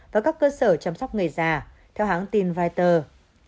và các cơ sở chăm sóc người già theo hãng tin reuter